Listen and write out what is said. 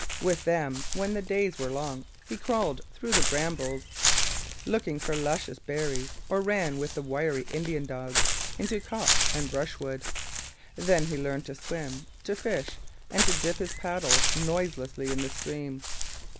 With them, when the days were long, he crawled through the brambles, looking for luscious berries, or ran with the wiry Indian dogs into copse and brushwood. Then he learned to swim, to fish, and to dip his paddle noiselessly in the stream.